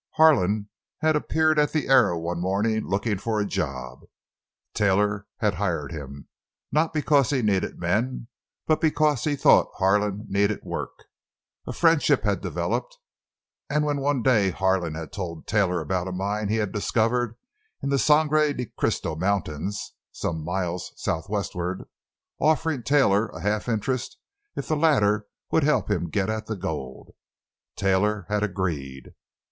Harlan had appeared at the Arrow one morning, looking for a job. Taylor had hired him, not because he needed men, but because he thought Harlan needed work. A friendship had developed, and when one day Harlan had told Taylor about a mine he had discovered in the Sangre de Christo Mountains, some miles southwestward, offering Taylor a half interest if the latter would help him get at the gold, Taylor had agreed.